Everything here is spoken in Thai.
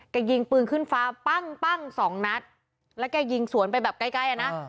ยิงปืนขึ้นฟ้าปั้งปั้งสองนัดแล้วแกยิงสวนไปแบบใกล้ใกล้อ่ะนะ